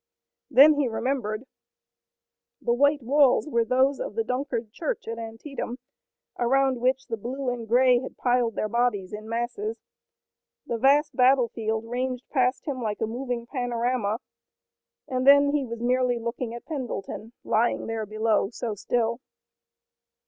Then he remembered. The white walls were those of the Dunkard church at Antietam, around which the blue and the gray had piled their bodies in masses. The vast battlefield ranged past him like a moving panorama, and then he was merely looking at Pendleton lying there below, so still.